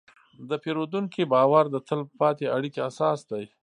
د پیرودونکي باور د تل پاتې اړیکې اساس دی.